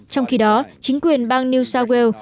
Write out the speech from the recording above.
trong khi đó chính quyền bang new south wales